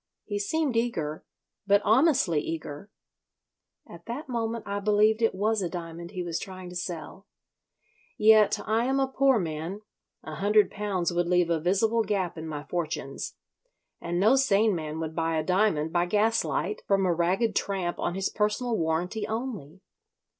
He seemed eager, but honestly eager. At that moment I believed it was a diamond he was trying to sell. Yet I am a poor man, a hundred pounds would leave a visible gap in my fortunes and no sane man would buy a diamond by gaslight from a ragged tramp on his personal warranty only.